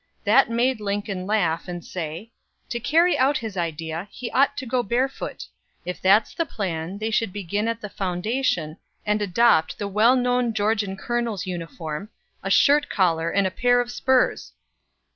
That made Lincoln laugh, and say: "To carry out his idea, he ought to go barefoot. If that's the plan, they should begin at the foundation, and adopt the well known Georgian colonel's uniform a shirt collar and a pair of spurs!"